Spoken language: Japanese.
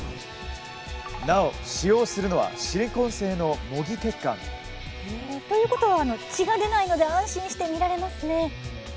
なお使用するのはシリコン製の模擬血管。ということは血が出ないので安心して見られますね。